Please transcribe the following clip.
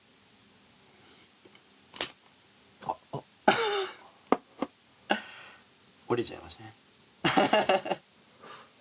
あっ、折れちゃいましたね。